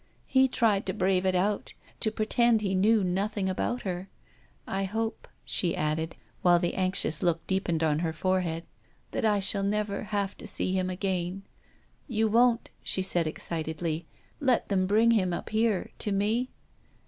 He tried to brave it out, to pretend he knew nothing about her. I hope," she added, while the anxious look deepened on her forehead, " that I shall never ALISON ARRANGES A MATCH. 261 have to see him again. You won't," she said excitedly, "let them bring him up here, to me?"